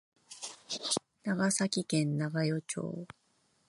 長崎県長与町